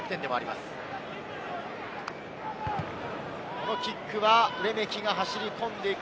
このキックはレメキが走り込んでいく。